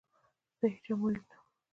د هیچا مرید نه وو.